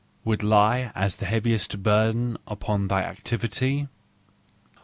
" would lie as the heaviest burden upon thy activity!